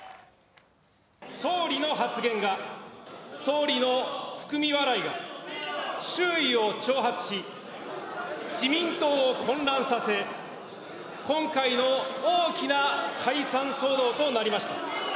総理の発言が、総理の含み笑いが、周囲を挑発し、自民党を混乱させ、今回の大きな解散騒動となりました。